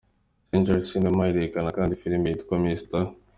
Century Cinema irerekana kandi filime yitwa Mr.